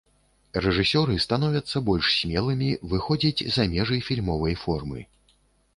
Рэжысёры становяцца больш смелымі, выходзяць за межы фільмовай формы.